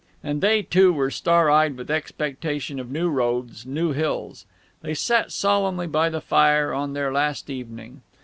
And they, too, were star eyed with expectation of new roads, new hills. They sat solemnly by the fire on their last evening.